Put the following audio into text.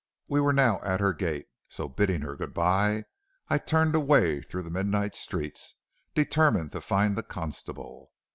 "We were now at her gate, so bidding her good by, I turned away through the midnight streets, determined to find the constable.